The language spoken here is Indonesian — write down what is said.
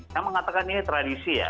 saya mengatakan ini tradisi ya